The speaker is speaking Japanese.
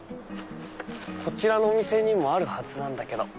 こちらのお店にもあるはずなんだけど。